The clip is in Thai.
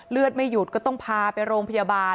เลือดไม่หยุดก็ต้องพาไปโรงพยาบาล